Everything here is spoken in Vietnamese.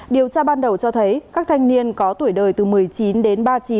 điều tra ban đầu cho thấy các thanh niên có tuổi đời từ một mươi chín đến ba mươi chín